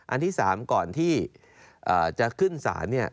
อันที่๓ก่อนที่จะขึ้นศาล